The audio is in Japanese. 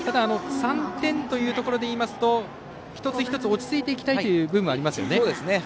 ３点というところでいいますと一つ一つ落ち着いていきたいという部分もありますよね。